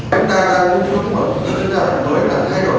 chúng ta đối tượng thay đổi